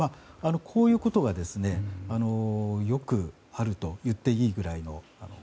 こういうことがよくあるといっていいぐらいの。